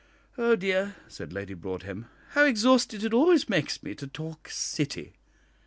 Oh dear," said Lady Broadhem, "how exhausted it always makes me to talk 'City!'